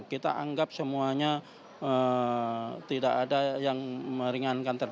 kita anggap semuanya tidak ada yang meringankan